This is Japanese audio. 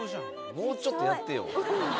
もうちょっとやってよ。